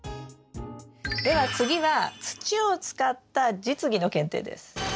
では次は土を使った実技の検定です。